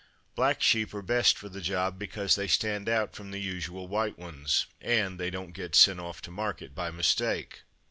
Black sheep are best for the job because they stand out from the usual white ones, and they don't get sent off to market by mistake.